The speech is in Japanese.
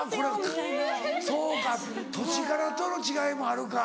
そうか土地柄との違いもあるか。